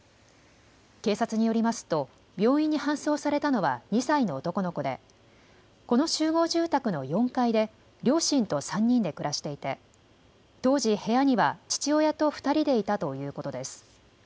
警察によりますと病院に搬送されたのは２歳の男の子でこの集合住宅の４階で両親と３人で暮らしていて当時、部屋には父親と２人でいたということです。